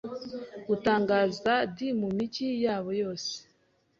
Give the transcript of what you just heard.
gutangaza d mu migi yabo yose